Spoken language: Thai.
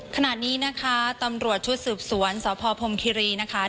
ขณะนี้นะคะตำรวจชุดสืบสวนสพพรมคิรีนะคะ